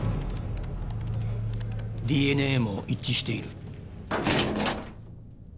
ＤＮＡも一致している。